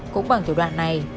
cũng bằng thủ đoạn này